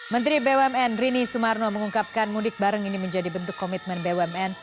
menteri bumn rini sumarno mengungkapkan mudik bareng ini menjadi bentuk komitmen bumn